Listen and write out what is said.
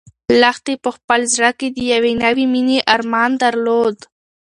لښتې په خپل زړه کې د یوې نوې مېنې ارمان درلود.